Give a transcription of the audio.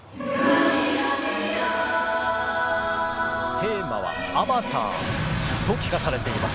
テーマはアバターと聞かされています。